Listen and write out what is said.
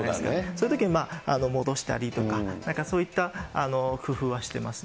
そういうときに、戻したりとか、そういった工夫はしてます。